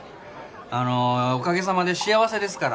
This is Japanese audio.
あのおかげさまで幸せですから。